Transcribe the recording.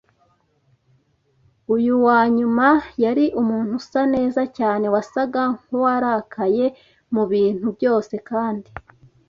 Uyu wanyuma yari umuntu usa neza cyane wasaga nkuwarakaye mubintu byose kandi